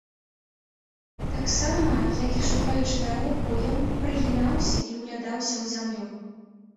Таксама, як і шукаючы вяроўку, ён прыгінаўся і ўглядаўся ў зямлю.